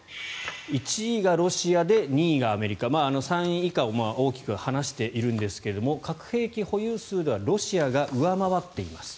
１位がロシアで２位がアメリカ３位以下を大きく離しているんですが核兵器保有数ではロシアが上回っています。